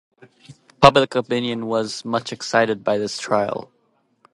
Public opinion was much excited by this trial.